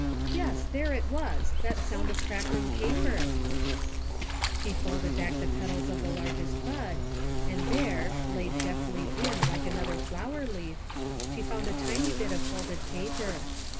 Yes, there it was, that sound of crackling paper ! She folded back the petals of the largest bud, and there, laid deftly in like another flower leaf, she found a tiny bit of folded paper.